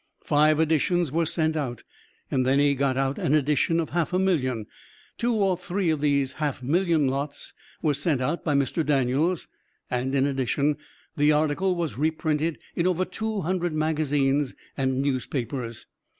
Five editions were sent out, and then he got out an edition of half a million. Two or three of these half million lots were sent out by Mr. Daniels, and in addition the article was reprinted in over two hundred magazines and newspapers.